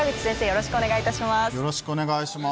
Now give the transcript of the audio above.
よろしくお願いします。